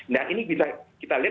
nah ini bisa kita lihat